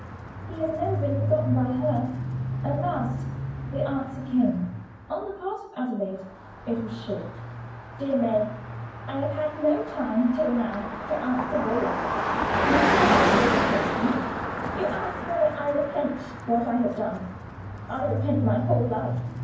he has never been forgotten by her." At last the answer came. On the part of Adelaide it was short: "DEAR MAY, I have had no time till now to answer your letter. I can not reply to all your questions. You ask whether I repent what I have done. I repent my whole life.